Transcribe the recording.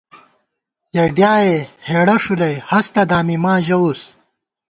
یَہ ڈِیائے ہېڑہ ݭُلَئ ہستہ دامی ، ماں ژَوُس